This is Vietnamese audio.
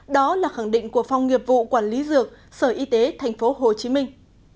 đó là khẳng định của phong nghiệp vụ quản lý dược sở y tế thành phố hồ chí minh